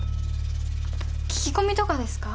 聞き込みとかですか？